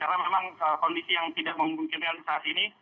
karena memang kondisi yang tidak memungkinkan saat ini